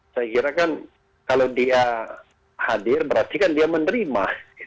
saya kira kan kalau dia hadir berarti kan dia menerima